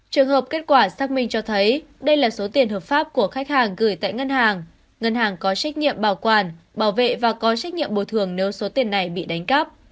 trường hợp kết quả xác minh cho thấy đây là số tiền hợp pháp của khách hàng gửi tại ngân hàng ngân hàng có trách nhiệm bảo quản bảo vệ và có trách nhiệm bồi thường nếu số tiền này bị đánh cắp